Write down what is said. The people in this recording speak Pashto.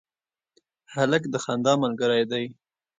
هلک د خندا ملګری دی.